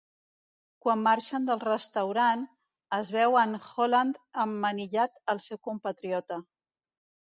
Quan marxen del restaurant, es veu en Holland emmanillat al seu compatriota.